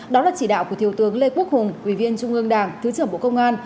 đó là chỉ đạo của thiếu tướng lê quốc hùng ủy viên trung ương đảng thứ trưởng bộ công an